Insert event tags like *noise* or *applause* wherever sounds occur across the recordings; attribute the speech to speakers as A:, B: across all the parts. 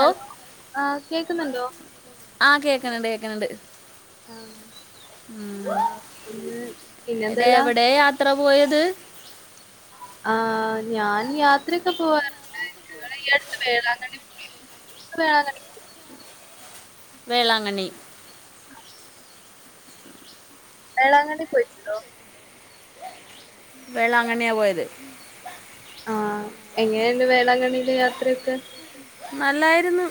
A: Hello ആഹ് കേക്ക്ന്ന്ണ്ടോ
B: ആഹ് കേക്ക്ണ് ണ്ട് കേക്ക്ണ് ണ്ട്
A: ആഹ്
B: ഉം
A: ആഹ് പിന്നെ പിന്നെന്തല്ലാ
B: ടെഎവടെ യാത്ര പോയത്
A: ആഹ് ഞാൻ യാത്രയൊക്കെ പോവാറുണ്ട് ഞങ്ങള് ഈ അടുത്ത് വേളാങ്കണ്ണി പോയിരുന്നു പ്പൊ വേളാങ്കണ്ണി
B: വേളാങ്കണ്ണി
A: വേളാങ്കണ്ണി പോയിട്ട്ട്ടോ
B: വേളാങ്കണ്ണിയാ പോയത്
A: ആഹ് എങ്ങനെണ്ട് വേളാങ്കണ്ണീലെ യാത്രയൊക്കെ
B: നല്ലായിരുന്നു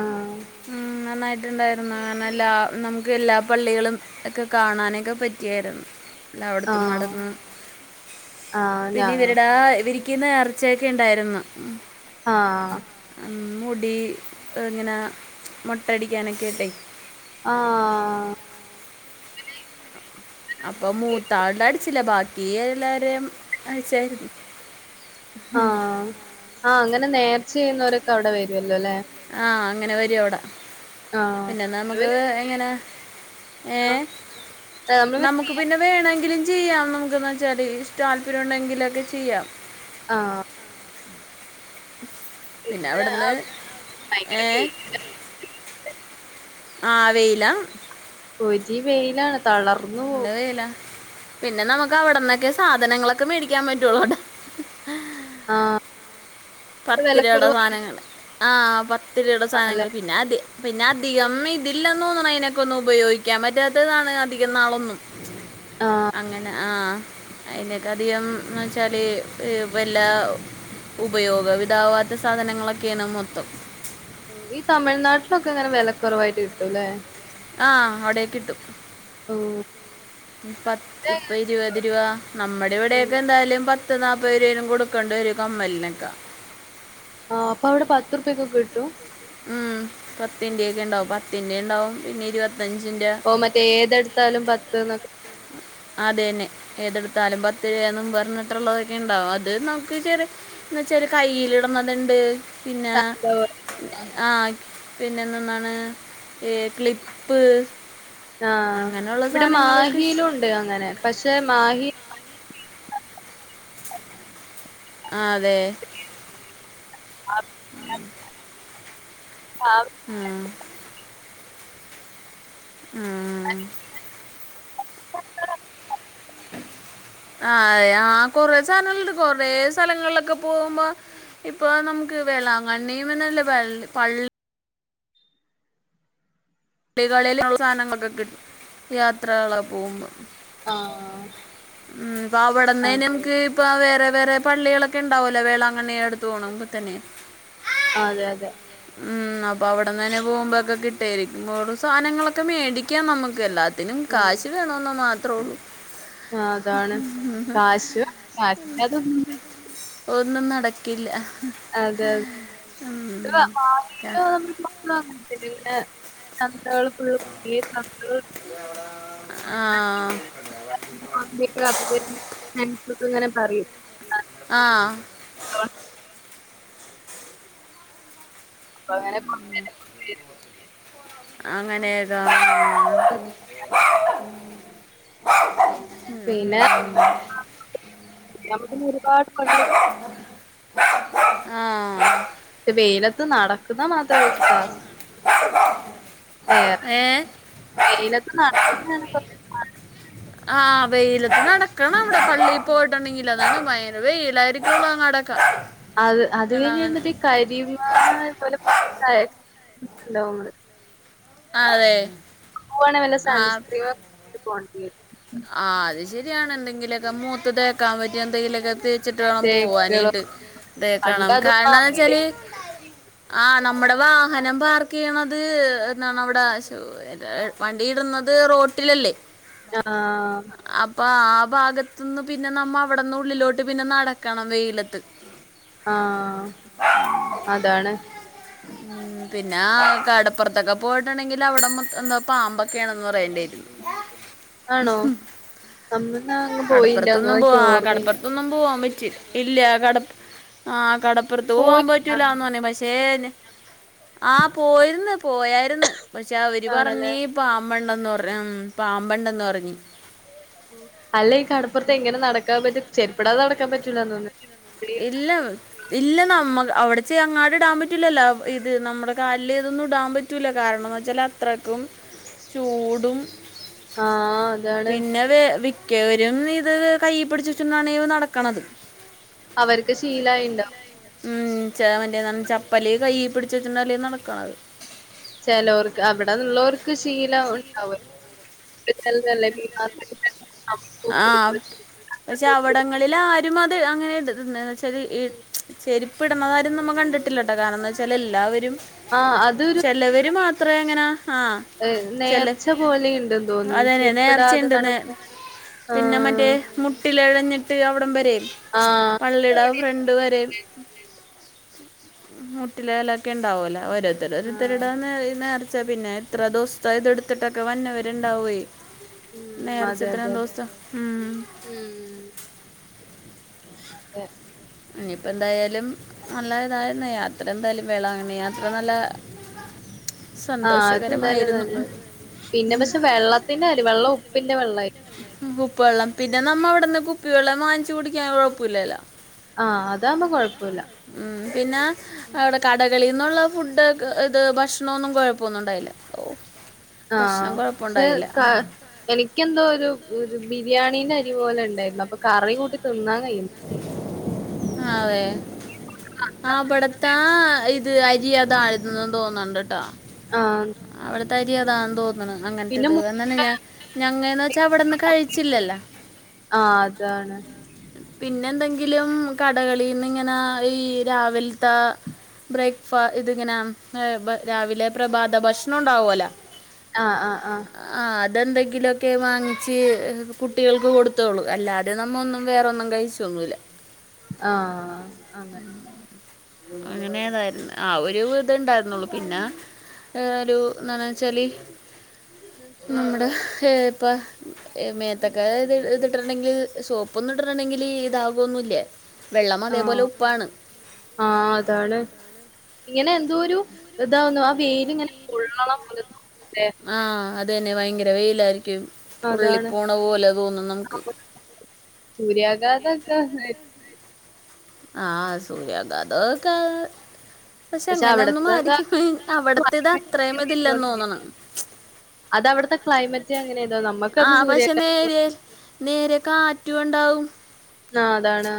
A: ആഹ്
B: ഉം നന്നായി ട്ട്ണ്ടായിരുന്നു ന്നല്ലാ നമുക്ക് എല്ലാ പള്ളികളും ഒക്കെ കാണാനൊക്കെ പറ്റിയാരുന്നു എല്ലാവിട്ത്തും
A: ആഹ്
B: നടന്ന്
A: ആഹ് ഞാ
B: പിന്നെ ഇവര്ടെ ആഹ് ഇവര് ക്ക് നേർച്ചയൊക്കെ ഇണ്ടായിരുന്നു
A: ആഹ് ആഹ്
B: ഉം മുടി ഇങ്ങനാ മൊട്ടയടിക്കാനൊക്കേയ്ട്ടെ
A: ആഹ്
B: അപ്പൊ മൂത്താള്ടെ അടിച്ചില്ല ബാക്കി എല്ലാരേം അടിച്ചായിരുന്നു
A: ആഹ് ആഹ് അങ്ങനെ നേർച്ചെയ്യുന്നോരൊക്കെ അവിടെ വെരൊല്ലൊലെ
B: ആഹ് അങ്ങനെ വരു അവ്ടെ
A: ആഹ്
B: പിന്നെ നമുക്ക് എങ്ങനെ ഏഹ്
A: നമ്മള്
B: നമു ക്ക് പിന്നെ വേണെങ്കിലും ചെയ്യാം നമുക്ക്ന്ന്ച്ചാല് ഇഷ്ടം താല്പര്യണ്ടെങ്കിലൊക്കെ ചെയ്യാം
A: ആഹ്
B: പിന്നെ അവിട്ന്ന്
A: അവിടെ ഭയങ്കര
B: ഏഹ്
A: വെയി
B: ആഹ് വെയ്ലാ
A: പൊരി വെയിലാണ് തളർന്നു പോവും
B: യിലാ പിന്നെ നമുക്ക് അവിടന്നൊക്കെ സാധനങ്ങളൊക്കെ മേടിക്കാൻ പറ്റൊള്ളൂട്ടോ
A: ആഹ്
B: പത്ത് രുവയുടെ
A: വിലക്കുറവാണല്ലേ?
B: സാധനങ്ങള് ആഹ് പത്ത് രുവയുടെ സാധനങ്ങള് പിന്നെ അത് പിന്നെ അധികം ഇതില്ലെന്ന് തോന്ന്ണു അയ്നൊക്കെ ഒന്നു ഉപയോയിക്കാൻ പറ്റാത്തതാണ് അധികം നാളൊന്നും അങ്ങനെ ആഹ് അയിനൊക്കെ അധികംന്ന് വെച്ചാല് ഇഹ് വല്ലാ ഉപയോ ഗവിതാവാത്ത സാധനങ്ങളൊക്കെയാണ് മൊത്തം
A: ഉം ഈ തമിഴ്നാട്ടിലൊക്കെ അങ്ങനെ വെലക്കൊറവായിട്ട് കിട്ടൂല്ലേ
B: ആഹ് അവിടെക്കിട്ടും
A: ഓഹ്
B: ഇപത്ത് ഇപ്പ ഇരുപത് രൂപ നമ്മടെ
A: ഉം
B: ഇവിടെയൊക്കെ എന്തായാലും പ ത്ത് നാപത് രൂവേലും കൊടുക്കണ്ട് വെരും ഈ കമ്മൽനെക്കെ
A: ആഹ് അപ്പ അവ്ടെ പത്തുർപ്യേക്കൊക്കെ കിട്ടും
B: ഉം പത്തിന്റെക്ക്യേണ്ടാവും പത്തിൻ്റെണ്ടാവും പിന്നെ ഇരുവത്തഞ്ചിന്റെ
A: പ്പൊ മറ്റേ ഏതെട്ത്താലും പത്ത്ന്ന്
B: അത്യെന്നെ ഏതെട്ത്താലും പത്ത് രൂവയ്ന്നും പർഞ്ഞ്ട്ട്ള്ളതൊക്കെ ഇണ്ടാവും അത് നമ്ക്ക് ചെറ്യേ ന്ന് വെച്ചാല് കയ്യില്ട്ണത്ണ്ട് പിന്നെ ആഹ് പിന്നെന്ത്ന്നാണ് ഏ ക്ലിപ്പ്
A: ആഹ്
B: അങ്ങനെയുള്ള
A: ഇവ്ടെ
B: സാധനങ്ങളൊക്കെ ഇഷ്-
A: മാഹീലുണ്ട് അങ്ങനെ പക്ഷെ മാഹി
B: ആഹ് അതെ.
A: ആഹ്
B: *inaudible*
A: ആഹ്
B: ഉം ഉം
A: *unintelligible*
B: ആഹ് യാ ആഹ് കൊറേ സലങ്ങൾണ്ട്. കൊറേ സ്ഥലങ്ങൾലൊക്കെ പൂവുമ്പോ ഇപ്പ ഏഹ് നമുക്ക് വേളാങ്കണ്ണിന്ന് അല്ലേ വെൽ പള്ള് ട്ടികളില്ള്ള സാനങ്ങളൊക്കെ കിട്ടും യാത്രകളോക്കെ പൂവുമ്പം
A: ആഹ്
B: ഉം പ്പവടന്നെ നമ്ക്ക് ഇപ്പ വേറെ വേറെ പള്ളികളൊക്കെ ഇണ്ടാവല്ലോ. വേളാകണ്ണി അട്ത്ത് പോണോമ്പത്തന്നെ
A: ആഹ് അതെ അതെ
B: ഉം. അപ്പ അവിടന്നെ പൂവുമ്പ ഒക്കെ കിട്ടേരി ഇമ്മോടും സാധനങ്ങളൊക്കെ മേടിക്കാം നമ്ക്ക്. എല്ലാത്തിനും
A: ഉം
B: കാശ് വേണന്ന് മാത്രൊള്ളൂ.
A: ആഹ് അതാണ്
B: *inaudible*
A: കാശ് കാശില്ലാതൊന്നും
B: ഒന്നും നടക്കില്ല
A: അതെ
B: ഉം,
A: *unintelligible*
B: ക-
A: വാങ്ങീട്ട് *unintelligible* *unintelligible*
B: ഇയ്യെവടെ? ആഹ്
A: *unintelligible* ഫ്രൻസൊക്കെങ്ങനെ പറയും.
B: ആഹ്
A: പ്പങ്ങനെ
B: അങ്ങനേതാ? ഉം ഉം ഉം
A: പിന്നെ *unintelligible* നമ്മള് പിന്നെ ഒരുപാട് പള്ളി
B: ആഹ്
A: വെയിലത്ത് നടക്കുന്ന മാത്രേ കൊറച്ച് ടാസ്ക് വേ
B: ഏഹ്
A: വെയിലത്ത് നടക്കുന്നേണ് കൊറച്ച്
B: ആഹ് വെയിലത്ത് നടക്കണം അവിടെ പള്ളി പോയിട്ടുണ്ടെങ്കില്. അതാണ് ഭയങ്കര വെയിലായിരിക്കും *unintelligible* ഒക്കെ
A: അത് അത് കഴിഞ്ഞ് വന്നിട്ട് കരി *unintelligible* ണ്ടാവും നമ്മള്
B: ആഹ് അതേ
A: പ്പാണ് വല്ല സൺസ്ക്രീമൊക്കെട്ട് പോണ്ടി വരും.
B: ആഹ് അത് ശര്യാണ്. എന്തെങ്കിലൊക്കെ മോത്ത് തേക്കാൻ പറ്റിയ എന്തെങ്കിലൊക്കെ തേ ച്ചിട്ട് വേണം
A: തേക്കളോ
B: പോവാനീട്ട്.
A: പണ്ട്
B: തേക്കണം
A: അതൊന്നും
B: കാരണന്താച്ചാല്
A: അറിയില്ലേനി
B: ആഹ് നമ്മടെ വാഹനം പാർക്ക്യ്യണത് ഏഹ് എന്നാണ് അവിടെ ശോ പ്പതാ വണ്ടിയിടണത് റോട്ടിലല്ലേ?
A: ആഹ്
B: അപ്പ ആ ഭാഗത്തുന്ന് പിന്നെ നമ്മ അവിടന്ന് ഉള്ളിലോട്ട് പിന്നെ നടക്കണം വെയിലത്ത്.
A: ആഹ് അതാണ്
B: ഉം പിന്നെ ആഹ് കടപ്പുറത്തൊക്കെ പോയിട്ടുണ്ടെങ്കിലവിടെ മൊത്തം എന്താ പാമ്പൊക്കെയാണെന്ന് പറയിണ്ടേർന്നു
A: ആണോ നമ്മന്നാ അങ്ങ് പോയില്ലാന്നോ
B: കടപ്പൊറത്തൊന്നും പോവാ.
A: എനിക്ക്
B: ആഹ്
A: ഓർമ്മയില്ല
B: കടപ്പൊറത്തൊന്നും പൂവ്വാൻ പറ്റില്ല. ഇല്ല കട ആഹ് കടപ്പുറത്ത് പോവാൻ
A: പോയില്ലാന്നോ
B: പറ്റൂലാന്ന് പറഞ്ഞിർന്ന് പക്ഷേ ആഹ് പോയിര്ന്ന് പോയായിരുന്ന് പക്ഷെ അവര്
A: ആണല്ലേ
B: പറഞ്ഞീ പാമ്പെണ്ടന്ന് പറഞ്ഞ് ഉം പാമ്പെണ്ടന്ന് പറഞ്ഞി
A: ഓഹ് അല്ല ഈ കടപ്പൊറത്തെങ്ങനെ നടക്കാൻ പറ്റും ചെരിപ്പിപ്പെടാതെ നടക്കാൻ പറ്റൂലാന്ന് തോന്ന്
B: ഇല്ലവ് ഇല്ല നമ്മ അവിടെച്ച അങ്ങാട് ഇടാൻ പറ്റില്ലല്ലോ ഇത് നമ്മുടെ കാലില് ഇതൊന്നും ഇടാൻ പറ്റ റ്റൂല കാരണംന്ന് വെച്ചാലത്രക്കും
A: ഉ *inaudible*
B: ചൂടും
A: ആഹ് അതാണ്
B: പിന്നെ വെ വിക്കവരും ഇത് കയ്യി പിടിച്ചെച്ചോണ്ടാണ് നടക്കണത്
A: അവർക്ക് ശീലായിണ്ടാവും
B: ഉം ച മറ്റേ ചപ്പലി കയ്യി പിടിച്ചെച്ചോണ്ടല്ലേ നടക്കണത്
A: ചെലോർക്ക് അവിടെള്ളോർക്ക് ശീലം ഉണ്ടാവല്ലോ *inaudible*
B: ങ്ങളിൽ ആരും അത് അങ്ങനെട് എന്നവച്ചാൽ ഇട് ചെരു പ്പിടുന്നതാരും നമ്മ കണ്ടിട്ടില്ലട്ടോ കാരണം ന്താ വെച്ചാല് എല്ലാവരും
A: ആഹ് അതൊരു
B: ചെലവര് മാത്രേ അങ്ങനെ ആഹ്
A: ഏഹ് നേർച്ച പോലെയിണ്ടെന്ന് തോന്നു
B: അതന്നെ നേർച്ചയിണ്ട് നേ പിന്നെ മറ്റേ
A: ആഹ്
B: മുട്ടിലെഴഞ്ഞിട്ട് അവിടം വരേം
A: ആഹ്
B: പള്ളിടെ
A: അതെവിടെയാ
B: ഫ്രണ്ട് വരേം മുട്ടിലെയലൊക്കെ ണ്ടാവല്ലോ ഓരോ ത്തരോരുത്തർടേ
A: ആഹ്
B: നേ നേർച്ച പിന്നെ എത്ര ദിവസത്തെ ഇത് ടുത്തിട്ടൊക്കെ വന്നവരുണ്ടാവെയ്
A: ഉം
B: നേർച്ച
A: അതെ
B: ത്രേം
A: അതെ അതെ
B: ദിവസം ഉം
A: ഉം അതെ
B: ഇഞ്ഞിപ്പെന്തായാലും നല്ല ഇതായിര്ന്ന യാത്ര എന്തായാലും വേളാങ്ങണ്ണി യാത്ര നല്ല
A: ആഹ് അത് ന്തായാലും
B: സന്തോഷകരമായിരുന്നു ഉം.
A: നല്ലത് പിന്നെ പക്ഷെ വെള്ളത്തിന്റെ ആര്യ വെള്ള ഉപ്പിന്റെ വെള്ള
B: ബുപ്പള്ളം പിന്നെ നമ്മ അവിടുന്ന് കുപ്പി വെള്ളം വാങ്ങിച്ച് കുടിക്കാൻ കുഴപ്പല്ലല്ലോ
A: ആഹ് അതാവുമ്പോ കുഴപ്പല്ല
B: ഉം പിന്നെ അവിടെ കടകളിന്നുള്ള ഫുഡ് ഇത് ഭക്ഷണമൊന്നും കൊഴപ്പൊന്നും ഉണ്ടായില്ല ഓഹ്
A: ആഹ് പക്ഷെ കാ എനിക്കെന്തോ ഒരു ബിരിയാണീന്റെ അരി പോലെ ണ്ടായിരുന്നു അപ്പൊ കറി കൂട്ടി തിന്നാൻ കഴിയു
B: ആഹ് അതെ ആബടത്താ ഇത് അരി അതായിരുന്നുന്ന് തോന്നണ്ട്ട്ടോ
A: ആഹ്
B: അവിടെ തരി അതാന്ന് തോന്ന്ണ്
A: പിന്നെ
B: അങ്ങൻത്തത്
A: മു
B: എന്നന്നെ ഞാൻ ഞങ്ങന്ന് വെച്ചാ വിടെന്ന് കഴിച്ചില്ലല്ലോ
A: ആഹ് അതാണ്
B: പിന്നെന്തെങ്കിലും കടകളിന്ന്ങ്ങനെ ഈ രാവിൽ ത്ത ബ്രേക്ക്ഫ ഇതിങ്ങനെ ഏഹ് രാവിലെ പ്രഭാത ഭക്ഷണം ണ്ടാവോല്ലോ
A: ആഹ് ആഹ്
B: ആഹ് അതെന്തെങ്കിലൊക്കെ വാങ്ങിച്ച് കുട്ടികൾക്ക് കൊടുത്തോളൂ അല്ലാതെ നമ്മ ഒന്നും വേറെന്നും കഴിച്ചൊന്നുല്ല
A: ആഹ് അങ്ങനെ
B: ഉം. അങ്ങനേയതായിരുന്ന്. ആഹ് ഒരു ഇതേ ഇണ്ടായിരുന്നുള്ളു. പിന്നെ ഏഹ്
A: ഉം
B: ഒരു എന്താന്ന് വെച്ചാല്
A: ഹ്
B: നമ്മടെ ഹ് ഇപ്പ
A: ഉം ഉം
B: മേത്തക്ക ഇത് ഇതിട്ടുണ്ടെങ്കിൽ സോപ്പൊന്നും ഇട്ട് ണ്ടെങ്കില് ഇതാകൊന്നുല്ല. വെള്ളം അതേപോലെ
A: ആഹ്
B: ഉപ്പാണ്.
A: ആഹ് അതാണ് ഇങ്ങനെ എന്തോ ഒരു ഇതാവുന്നു. ആ വെയിലിങ്ങനെ പൊള്ളണം പോലെ തോന്നും ല്ലേ
B: ആഹ് അതന്നെ. വയങ്കര വെയിലായിരിക്കും. പൊള്ളി
A: അതാണ്
B: പോണ പോലെ തോന്നും നമുക്ക്.
A: സൂര്യാഘാത *unintelligible*
B: ആഹ് സൂര്യാഘാതൊക്കെ പക്ഷേ
A: പക്ഷെ
B: എങ്ങനെയൊന്നും
A: അവിടത്തെതാ
B: ആരിക്കും ഹി അവിടത്തേത് അത്രയും ഇതില്ലെന്നോന്നണ്‌.
A: അതവിടുത്തെ ക്ലൈമറ്റ് റ്റ അങ്ങനേയതാ
B: ആഹ് പക്ഷേ നേര്യേ നേര്യേ കാറ്റുണ്ടാവും
A: ആഹ് അതാണ്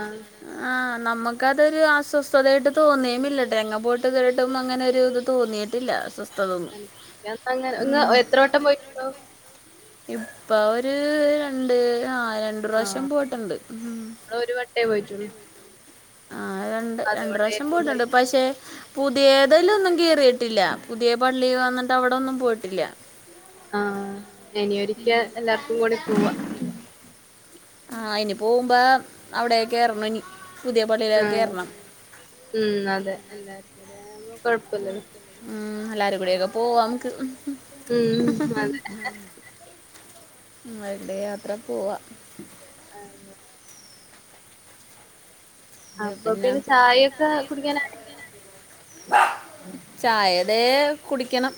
B: ആഹ് നമ്മുക്കതൊരു അസ്വസ്ഥതായിട്ട്
A: ഉം
B: തോന്നിയുംമില്ലട്ടോ. എങ്ങാ പോ ട്ട് ഇതുവരെയായിട്ടും അങ്ങനെ ഒരു ഇത് തോന്നിയിട്ടില്ല. ഒന്നും
A: *unintelligible* ഞാൻ ഇപ്പങ്ങനെ ഇങ്ങ്
B: ഉം
A: ഏഹ് എത്ര വട്ടം പോയിട്ടുണ്ടാവും?
B: ഇപ്പ ഒര് രണ്ട്. ആഹ് രണ്ട് പ്രാവശ്യം പോയിട്ടുണ്ട്. ഉം
A: മ്മള് ഒരു വട്ടേ പോയിട്ടുള്ളൂ
B: ആഹ് രണ്ട് രണ്ട് പ്രാവശ്യം
A: അതോണ്ടായിരിക്കും
B: പോയിട്ടുണ്ട്
A: ചെലപ്പോ
B: പക്ഷേ പുതിയതലൊന്നും കേറിയിട്ടില്ല. പുതിയ പള്ളി വന്നിട്ട് അവിടൊന്നും പോയിട്ടില്ല.
A: ആഹ് എനി ഒരിക്ക എല്ലാർക്കും കൂടി പോവാ
B: ആഹ് ഇനി പൂവുമ്പോ അവിടെ കേറണം ഇനി. പുതിയ
A: ആ
B: പള്ളിയിലൊക്കെ കേറണം.
A: ഉം. അതെ. എല്ലാർക്കും *inaudible*
B: ഉം. എല്ലാരും കൂടിയൊക്കെ പൂവാം നമുക്ക്
A: ഉം അതെ
B: വടെ യാത്ര പൂവാ
A: അതെ അപ്പ പിന്നെ ചായയൊക്കെ കുടിക്കാനായി
B: ചായ ദേ കുടിക്കണം.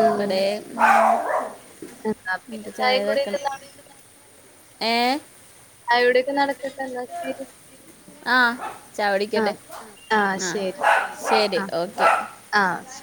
A: ഉം
B: ദേ ഉം.
A: എന്നാ
B: ഞ്ഞിപ്പോ
A: പിന്നെ
B: ചായ
A: ചായക്കുടിയൊക്കെ
B: വെക്കണം.
A: നട
B: *unintelligible* ഏഹ്?
A: ചായകുടിയൊക്കെ നടക്കട്ടെ എന്നാ ശരി.
B: ആഹ്
A: ആ
B: ചായുടിക്കട്ടെ.
A: ആ
B: ആഹ്. അഹ് ശരി ഓക്കെ.
A: ആഹ് ശ